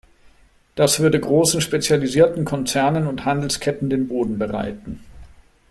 Das würde großen spezialisierten Konzernen und Handelsketten den Boden bereiten.